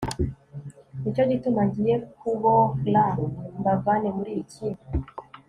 ni cyo gituma ngiye kuboh ra mbavane muri iki